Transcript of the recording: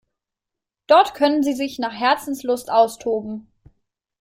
Dort können sie sich nach Herzenslust austoben.